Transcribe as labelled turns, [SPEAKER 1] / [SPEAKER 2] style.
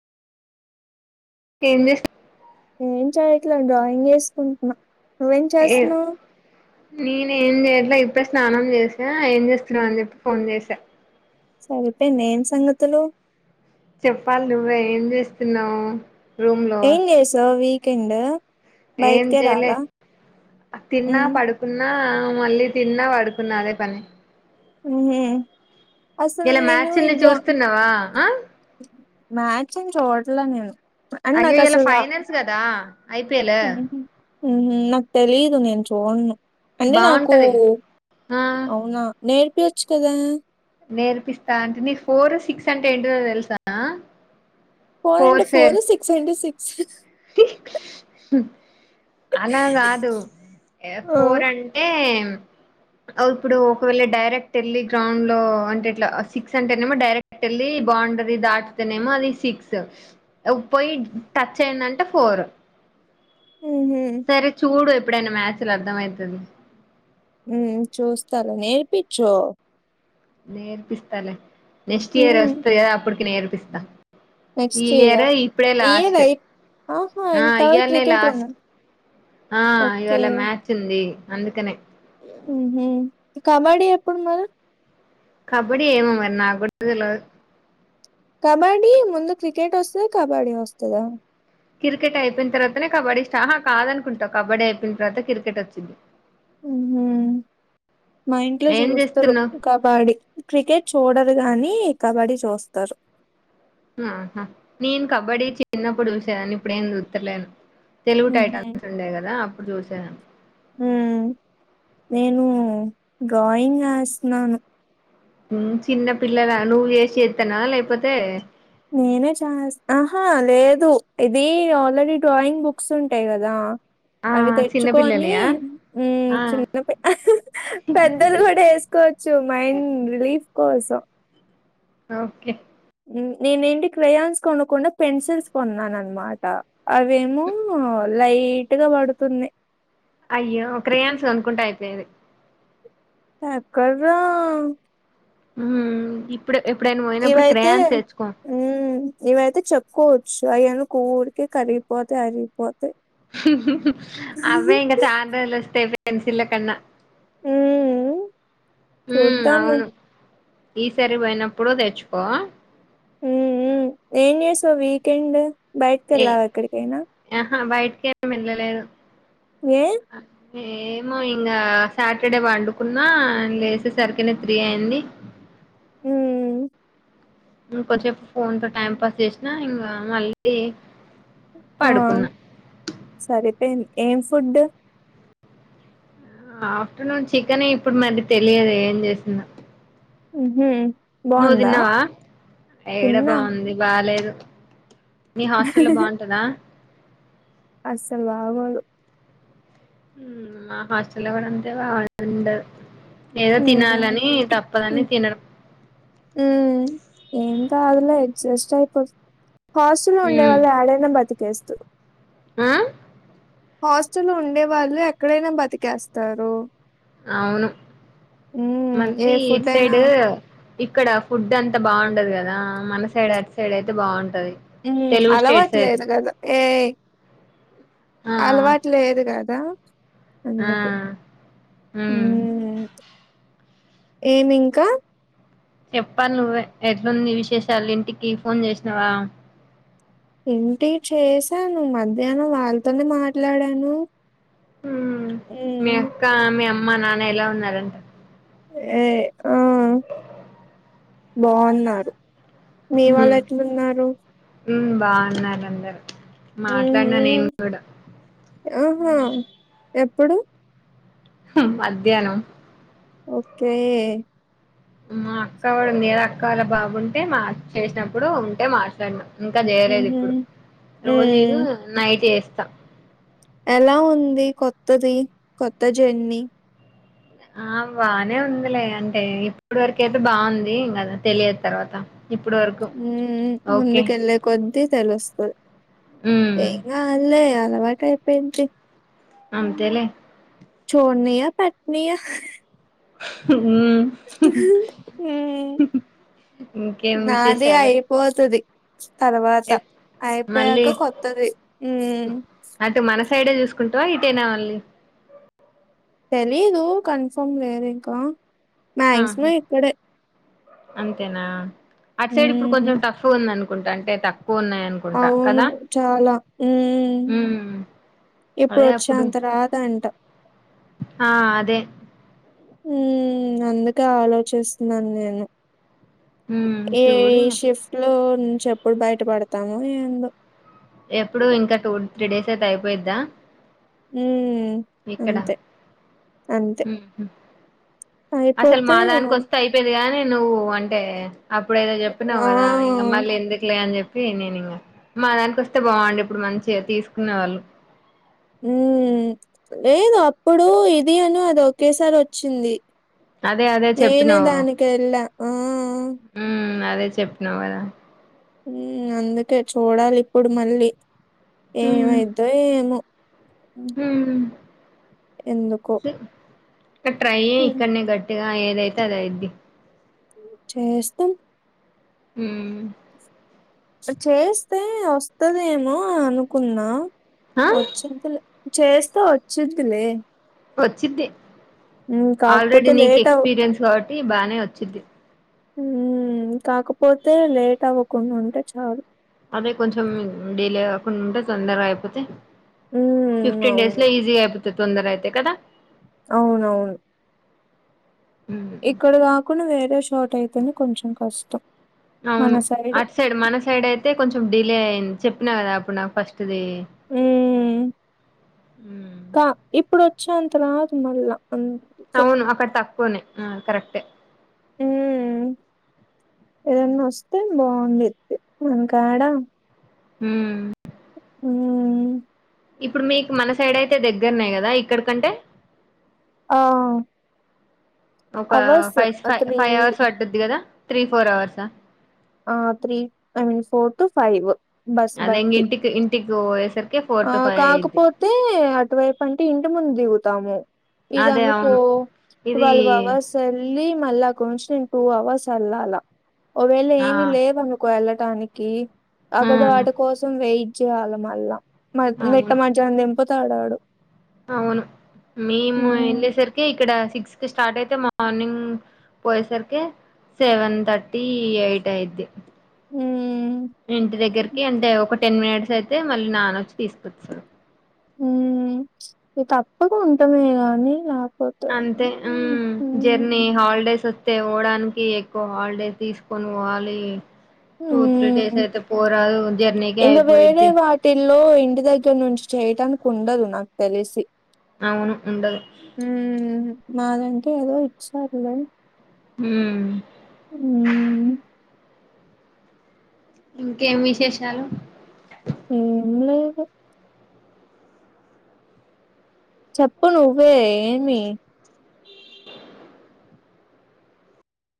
[SPEAKER 1] ఏం చేస్త
[SPEAKER 2] ఏం చేయట్లే డ్రాయింగ్ చేసుకుంటున్నా
[SPEAKER 1] ఏ నేన్ ఏం చేయట్లే ఇప్ ఇప్పే స్నానం చేసా ఏం చేస్తున్నావ్ అని చెప్పి ఫోన్ చేసా
[SPEAKER 2] సరిపోయింది ఏం సంగతులు
[SPEAKER 1] చెప్పాలి నువ్వే ఏం చేస్తున్నావు. రూమ్ లో
[SPEAKER 2] ఎం చేసావ్ వీక్ కేండ్
[SPEAKER 1] ఏం చేయలే తిన్నా
[SPEAKER 2] ఉమ్
[SPEAKER 1] పడుకున్నా మళ్ళీ తిన్నా పడుకున్నా అదే పని
[SPEAKER 2] హ
[SPEAKER 1] ఇలా మ్యాచ్ ఉంది చూస్తున్నావా
[SPEAKER 2] మ్యాచ్ ఏం చూడలే నేను అండ్
[SPEAKER 1] అగే
[SPEAKER 2] నాకు
[SPEAKER 1] ఇయాల
[SPEAKER 2] అసలు రా
[SPEAKER 1] ఫైనాన్స్ కదా ఐపీిఎల్
[SPEAKER 2] హ నాకు తెలీదు నేను చోడను అంటే నాకు
[SPEAKER 1] బాగుంటది ఆ
[SPEAKER 2] అవునా నేర్ పేచ్చు కదా
[SPEAKER 1] నేర్పిస్తా అంటే నీ ఫోర్ సిక్స్ అంటే ఏంటిో తెలుసా
[SPEAKER 2] ఫోర్ అంటేడ్ ఫోర్ సిక్స్ అంటే సిక్స్
[SPEAKER 1] అలా కాదు
[SPEAKER 2] ఆ
[SPEAKER 1] ఫోర్ అంటే ఇప్పుడు ఒకవేళ డైరెక్ట్ వెళ్ళి గ్రౌండ్ లో అంటే ఇట్లా సిక్స్ అంటేనేమో డైరెక్ట్ వెళ్ళి బాండరీ దాటితేనేమో అది సిక్స్ పోయి టచ్ అయందంటే ఫోర్
[SPEAKER 2] ఉహు
[SPEAKER 1] సరే చూడు ఎ ఎప్పుడన్న మ్యాచ్ లు అర్థమయితది
[SPEAKER 2] ఉ చూస్తాలే నేర్పించు
[SPEAKER 1] నేర్పిిస్తా లే నెక్స్ట్ ఇయర్
[SPEAKER 2] ఉమ్
[SPEAKER 1] వస్తది కదా అప్పటికినే పిస్తా ఈ
[SPEAKER 2] నెక్స్ట్ ఇయరా
[SPEAKER 1] ఇయర్ ఇప్పుడే
[SPEAKER 2] ఈ ఇయర్
[SPEAKER 1] లాస్ట్
[SPEAKER 2] అయి ఆహా
[SPEAKER 1] ఆ
[SPEAKER 2] ఇంత వరకు
[SPEAKER 1] ఇవాళ
[SPEAKER 2] క్రికెట్
[SPEAKER 1] లాస్ట్
[SPEAKER 2] ఉన్నది
[SPEAKER 1] ఆ ఇవాళ మ్యాచ్ ఉంది అందుకనే
[SPEAKER 2] హ కబడ్డీ ఎప్పుడు మరి
[SPEAKER 1] కబడ్డి ఏమొ మరి నాకు కూడాతెలువదు
[SPEAKER 2] కబడ్డీ ముందు క్రికెట్ వస్తదా కబడ్డీ వస్తదా
[SPEAKER 1] క్రికెట్ అయిపోయిన తర్వాతనే కబడ్డీ స్టా ఆ కాదనుకుంటావు కబడ్డీ అయిపోయిన తర్వాత క్రికెట్ వచ్చింది
[SPEAKER 2] హు మా ఇంట్లో
[SPEAKER 1] ఏం
[SPEAKER 2] చూస్తారు
[SPEAKER 1] చేస్తున్నావ్
[SPEAKER 2] కబడ్డీ క్రికెట్ చూడరు గానీ కబడ్డీ చూస్తారు
[SPEAKER 1] ఆహా నేను కబడ్డీ చిన్నప్పుడు చూసేదాన్ని ఇప్పుడేంది చూతలేను తెలుగు టైటమ్స్ ఉండేయి కదా అప్పుడు చూసేదాన్ని
[SPEAKER 2] హ నేను డ్రాయింగ్ ఏస్తున్నాను
[SPEAKER 1] హ్మ్ చిన్న పిల్లల నువ్వు చేసి వేత్తనా లేకపోతే
[SPEAKER 2] నేనె ఛాయిస్
[SPEAKER 1] ఆ
[SPEAKER 2] అవి
[SPEAKER 1] చిన్న
[SPEAKER 2] తెచ్చుకొని
[SPEAKER 1] పిల్లలయా
[SPEAKER 2] మ్మ్
[SPEAKER 1] ఆ
[SPEAKER 2] చిన్ పె పెద్దది కూడా వేసుకోవచ్చు మైండ్ రిలీఫ్ కోసం
[SPEAKER 1] ఓకే
[SPEAKER 2] న్ నేన్నేంటి క్రయాన్స్ కొనకుండా పెన్సిల్స్ కొన్నాను అనమాట అవేమో లైట్గా పడుతున్నాయి
[SPEAKER 1] అయ్యో క్రాయన్స్ గనుకుంటే అయైపోయేది
[SPEAKER 2] ఎక్కడ్రా
[SPEAKER 1] హ్మ్ ఇప్
[SPEAKER 2] ఇవైతే మ్మ్ ఇవైతే చోప్ కూర్చో అది ఎందుకు ఊరికే కరిగిపోతే అరిగిపో
[SPEAKER 1] అవే ఇంకా చాన్ రోజుల్ వస్తాయ్ యే పెన్సిల కన్న
[SPEAKER 2] హ్మ్.
[SPEAKER 1] మ్
[SPEAKER 2] చూద్దాము.
[SPEAKER 1] అవును ఈసారి పోయినప్పుడు తెచ్చుకో
[SPEAKER 2] హ్మ్ హ్మ్ ఏం చేస్తావ్ వీకెండ్ బయట్కెళ్ళావా ఎక్కడికైనా
[SPEAKER 1] హా బైట్కేం వెళ్ళలేదు
[SPEAKER 2] ఏ
[SPEAKER 1] ఏమో ఇంకా సాటర్డే వండుకున్నా లేసే సరికినే త్రీ అయింది
[SPEAKER 2] హ్మ్.
[SPEAKER 1] ఇంకోద్సేపు ఫోన్ తో టైం పాస్ చేసినా ఇంకా మళ్ళీ
[SPEAKER 2] ఆ
[SPEAKER 1] పడుకున్నా
[SPEAKER 2] సరిపోయింది ఏం ఫుడు
[SPEAKER 1] ఆఫ్టర్నూన్ చికెన్ ఇప్పుడు మరి తెలియదు ఏం జేసిందా
[SPEAKER 2] ఉహు
[SPEAKER 1] నువ్వు
[SPEAKER 2] బాగుందా
[SPEAKER 1] తిన్నావా
[SPEAKER 2] తిన్నా
[SPEAKER 1] నీ హాస్టల్ లో బాగుంటదా
[SPEAKER 2] అసల్ బాగోదు
[SPEAKER 1] హ్మ్ మా హోస్టల్ కూడా అంతే బాగుండదు ఏదో
[SPEAKER 2] ఉమ్
[SPEAKER 1] తినాలని తప్పదని తినడం
[SPEAKER 2] పార్లేదు డ్జస్ట్ అయైపోత్ హాస్టల్ లో ఉండే
[SPEAKER 1] తినడం
[SPEAKER 2] వాళ్ళు ఏడైనా బతిక్ చేస్తూ
[SPEAKER 1] ఆ
[SPEAKER 2] హాస్టల్ ఉండే వాళ్ళు ఎక్కడైనా బతికేస్తారు
[SPEAKER 1] అవును
[SPEAKER 2] ఉమ్ ఏ
[SPEAKER 1] మళ్ళీ ఇట్
[SPEAKER 2] ఫుడ్ అయినా
[SPEAKER 1] సైడు ఇక్కడ ఫుడ్ అంతా బాగుండదు కదా, మన సైడ్ అటు సైడ్ అయితే బాగుంట
[SPEAKER 2] మ్మ్ అలవాటు లేదు కదా ఏయ్
[SPEAKER 1] ఆ
[SPEAKER 2] అలవాటు లేదు కదా
[SPEAKER 1] ఆ
[SPEAKER 2] అందుకు
[SPEAKER 1] ఉమ్
[SPEAKER 2] మ్మ్ ఏమింకా
[SPEAKER 1] చెప్పాలి నువ్వే ఎట్లుంది విశేషాలు ఇంటికి ఫోన్ చేసినవా?
[SPEAKER 2] ఇంటి చేశాను మధ్యాహ్నం వాళ్ళ్తోనే మాట్లాడాను.
[SPEAKER 1] మ్మ్ మీ
[SPEAKER 2] ఉమ్
[SPEAKER 1] అక్క, మీ అ మ్మ నాన్న ఎలా ఉన్నరంట?
[SPEAKER 2] ఏ ఆ బాగున్నారు. మీ వాళ్ళు ఎట్లున్నారు?
[SPEAKER 1] మ్మ్ బాగున్నారందరు
[SPEAKER 2] మ్మ్ హు ఆ హా ఎ ప్పుడు
[SPEAKER 1] మధ్యాహ్నం
[SPEAKER 2] ఓకే
[SPEAKER 1] మా అక్క కూడా ఉంది కదా అక్క వాళ్ళ బాబుంటే మా చేసినప్పుడు ఉంటే మాట్లాడిన. ఇంకా చేయలేదు
[SPEAKER 2] ఉహు
[SPEAKER 1] ఇప్పుడు రోజు
[SPEAKER 2] ఉమ్
[SPEAKER 1] నైట్ చేస్ త
[SPEAKER 2] ఎలా ఉంది కొత్తది కొత్త జర్నీ?
[SPEAKER 1] ఆ బానే ఉందిలే అంటే ఇప్పడి వరకు అయితే బాగుంది తెలియదు తర్వాత. ఇప్పుడు వరకు
[SPEAKER 2] మ్మూ
[SPEAKER 1] ఓకే
[SPEAKER 2] ముందుకెళ్లే కొద్ది తెలుస్తది
[SPEAKER 1] ఉమ్
[SPEAKER 2] ఏం కాదులే అలవాటు అయిపోయిద్ది
[SPEAKER 1] అంతేలే
[SPEAKER 2] చోడ్నీయా పెట్ట్నీయా
[SPEAKER 1] హ
[SPEAKER 2] హ్మూ
[SPEAKER 1] ఇంకేం
[SPEAKER 2] నాది
[SPEAKER 1] విశేషాలు
[SPEAKER 2] అయిపోతది తర్వాత
[SPEAKER 1] ఎప్ మళ్ళీ
[SPEAKER 2] అయిపోయాక కొత్తది మ్మ్
[SPEAKER 1] అటు మన సైడే చూసుకుంటావా ఇటేనా ఓన్లీ
[SPEAKER 2] తెలీదు కన్ఫర్మ్ లేదు ఇంకా
[SPEAKER 1] ఆహా
[SPEAKER 2] మాక్సిమం ఇక్కడే
[SPEAKER 1] అంతేనా అటు సైడ్ ఇప్పుడు
[SPEAKER 2] హ్మ్.
[SPEAKER 1] కొంచెం టఫ్ ఉందను కుంట అంటే తక్
[SPEAKER 2] అవును చాలా మ్మ్
[SPEAKER 1] ఉమ్
[SPEAKER 2] ఇప్పుడు
[SPEAKER 1] అదే అప్పుడు
[SPEAKER 2] వచ్చేంత రాదంట
[SPEAKER 1] ఆ అదే
[SPEAKER 2] మ్మూ అందుకే ఆలోచిస్తున్నాను నేను
[SPEAKER 1] ఉమ్
[SPEAKER 2] ఏ
[SPEAKER 1] చూడు ఇంగ
[SPEAKER 2] షిఫ్ట్ లో చెప్పుడు బయటపడతాము ఏందుో
[SPEAKER 1] ఎప్పుడు ఇంకా టూ త్రీ డేస్ అయితే అయిపోయిద్దా
[SPEAKER 2] హ
[SPEAKER 1] ఇక్కడ అసలు
[SPEAKER 2] అయిపోతే
[SPEAKER 1] మా దానికి వస్తే అయిపోది కాగాని నువ్వు అంటే అప్పుడు ఏదో చెప్పినన్నావు
[SPEAKER 2] ఆ!
[SPEAKER 1] కదా ఇంకమ్మల్లు ఎందుకులే అని చెప్ప ఏ నేను ఇంకా మా దానికిొస్తే బాగుండి ఇప్పుడు మంచిగా తీసుకునే వాళ్ళు
[SPEAKER 2] ఉ లేదు అప్పుడు ఇది అను అది ఒకేసారి వచ్చింది
[SPEAKER 1] అదే అదే
[SPEAKER 2] నేను
[SPEAKER 1] చెప్పినావు
[SPEAKER 2] దానినికి వెళ్ళ ఆ
[SPEAKER 1] ఉమ్ అదే చెప్పినావు కదా
[SPEAKER 2] అందుకే చూడాలి ఇప్పుడు మళ్ళీ ఏమయిదుో ఏము
[SPEAKER 1] హ
[SPEAKER 2] ఎందుకు
[SPEAKER 1] క ట్రాై ఇక్క గట్ అగా ఏదైతుదా ఇది
[SPEAKER 2] చేస్ త
[SPEAKER 1] హ
[SPEAKER 2] చేస్తే వస్తదేమో అనుకున్నా
[SPEAKER 1] ఆ
[SPEAKER 2] వచ్చింత చేస్తా వచ్చిదిలే
[SPEAKER 1] వచ్చద్దే
[SPEAKER 2] కాకపోతే లేట్ అవు
[SPEAKER 1] ఈ బానే వచ్చిద్ది
[SPEAKER 2] హ కాకపోతే లేట్ అవ్వకుండా ఉంటే చాలు
[SPEAKER 1] అదే కొంచెం డడిలే కాకుండా ఉంటే తొందరగా అయిపోతే
[SPEAKER 2] ఉమ్
[SPEAKER 1] ఫిఫ్టీన్ డేస్
[SPEAKER 2] అవును
[SPEAKER 1] న ఈజీయిపోతది సుందర అయితే కదా
[SPEAKER 2] అవునవును ఇక్కడ కాకుండా వేరే షార్ట్ అయితేనే కొంచెం కష్టం
[SPEAKER 1] అవును అటు సైడ్ మన సైడ్ అయితే కొంచెం డిలే అయింది చెప్ నాద అప్పునా ఫస్ట్ త్తద
[SPEAKER 2] ఉమ్ చ్చ అంతలా అదు మళ్ళ
[SPEAKER 1] అవును అక్కడ తక్కువనే ఆ కరెక్ట్
[SPEAKER 2] హూ ఏదన్న వస్తే బాగుంది మనకాడ
[SPEAKER 1] హు
[SPEAKER 2] హూ
[SPEAKER 1] ఇప్పుడు మీకు మన సైడ్ అయితే దగ్గరనే కదా ఇక్కడకంటే
[SPEAKER 2] ఆ
[SPEAKER 1] ఒక
[SPEAKER 2] అవర్స్
[SPEAKER 1] ఫైవ్ ఫైర్
[SPEAKER 2] త్రీ
[SPEAKER 1] ఫైవ్ అవర్స్ పడ్డుద్ది కదా త్రీ ఫోర్ అవర్సా
[SPEAKER 2] ఆ three I means four to five bus
[SPEAKER 1] అదంగ
[SPEAKER 2] బట్టి
[SPEAKER 1] ఇంటికి ఇంటికి పోయేసరికి ఫోర్
[SPEAKER 2] ఆ
[SPEAKER 1] టు ఫైవ్ అయిద్ది
[SPEAKER 2] కాకపోతే అటువైపు అంటే ఇంటి ముందు దిగుతాము
[SPEAKER 1] అదే
[SPEAKER 2] ఇదనుకో
[SPEAKER 1] అవును ఇది
[SPEAKER 2] వాల్వవా సల్లి మల్ల కొసన్ టూ అవర్స్ అల్ అలా ఓవేళ
[SPEAKER 1] ఆ
[SPEAKER 2] ఏమి లేవనుకోలలా టానికి
[SPEAKER 1] ఆ
[SPEAKER 2] అగదువాట కోసం వెేయి చ్చేవాలమలా మ నెట్ట
[SPEAKER 1] అవును
[SPEAKER 2] మ జం ఎంపతి ఆడు ఆడు
[SPEAKER 1] అవును మేము వెళ్ళేసరికి ఇక్కడ సిక్స్ కి స్టార్ట్ అయి అయితే మార్నింగ్ పోయేసరికి సెవెన్ థర్టీ ఎయిట్ అయిద్ది.
[SPEAKER 2] మ్మ్
[SPEAKER 1] ఇంటి దగ్గరకి అంటే ఒక టెన్ మినిట్స్ అయితే మళ్ళీ నాన వచ్చి తీసుకొచ్చారు.
[SPEAKER 2] ఉ ఇ తప్పకు ఉంటమే గాని న
[SPEAKER 1] అంతే హు జెర్నీ హాలిడేస్ వచ్చ అయితే పోవడానికి ఎక్కువ హాలిడే తీసుకొని పోవాలి.
[SPEAKER 2] హు
[SPEAKER 1] టూ త్రీ డేస్ అయితే పోరాదు జర్నీకే
[SPEAKER 2] ఇంకా వేరే
[SPEAKER 1] అయిపోయిద్ది
[SPEAKER 2] వాటిల్లో ఇంటి దగ్గర నుంచి చేయటానికి కుండదు నాకు తెలిసి
[SPEAKER 1] అవును ఉండదు.
[SPEAKER 2] మాదంటె ఏదో ఇచ్చారు లే
[SPEAKER 1] ఉమ్ ఇంకేం విశేషాలు
[SPEAKER 2] ఏం లేదు చెప్పు నువ్వే ఏమి